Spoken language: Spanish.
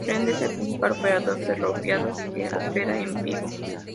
Renfe es el principal operador ferroviario que opera en Vigo.